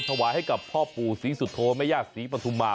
โดนถวายให้กับพ่อปู่ศรีสุธโมยะศรีปทุม่า